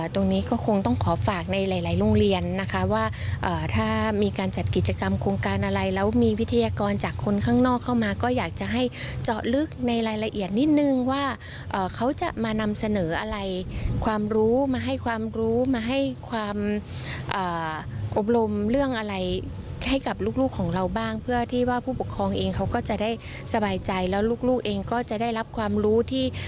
ตรงนี้ก็คงต้องขอฝากในหลายโรงเรียนนะคะว่าถ้ามีการจัดกิจกรรมโครงการอะไรแล้วมีวิทยากรจากคนข้างนอกเข้ามาก็อยากจะให้เจาะลึกในรายละเอียดนิดนึงว่าเขาจะมานำเสนออะไรความรู้มาให้ความรู้มาให้ความอบรมเรื่องอะไรให้กับลูกของเราบ้างเพื่อที่ว่าผู้ปกครองเองเขาก็จะได้สบายใจแล้วลูกเองก็จะได้รับความรู้ที่